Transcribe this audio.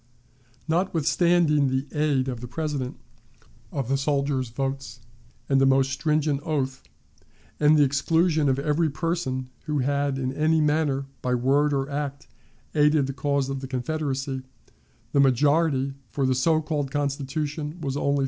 Notwithstanding the aid of the President, of the soldiers' votes, and a most stringent oath, and the exclusion of every person who had in any manner, by word or act, aided the cause of the Confederacy, the majority for the so called Constitution was only 375.